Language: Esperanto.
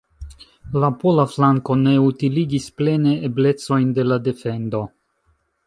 La pola flanko ne utiligis plene eblecojn de la defendo.